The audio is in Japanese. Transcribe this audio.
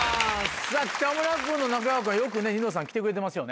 北村君と中川君はよく『ニノさん』来てくれてますよね。